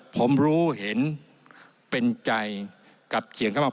ผมรู้เห็นเป็นใจกับเขียนเข้ามา